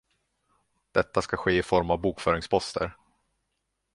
Detta ska ske i form av bokföringsposter.